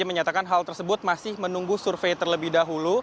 menyatakan hal tersebut masih menunggu survei terlebih dahulu